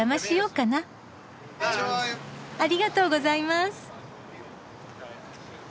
ありがとうございます。